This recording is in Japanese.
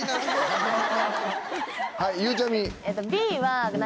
はいゆうちゃみ。